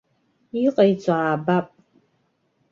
Иҟаиҵо аабап.